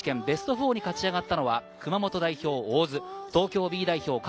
ベスト４に勝ち上がったのは熊本代表・大津、東京Ｂ代表